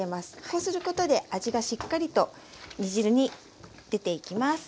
こうすることで味がしっかりと煮汁に出ていきます。